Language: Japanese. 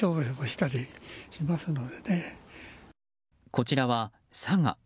こちらは佐賀。